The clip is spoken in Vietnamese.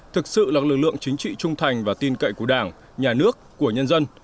thực sự là lực lượng chính trị trung thành và tin cậy của đảng nhà nước của nhân dân